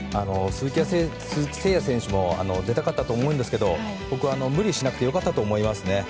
鈴木誠也選手も出たかったと思いますけど僕は無理しなくてよかったと思いますね。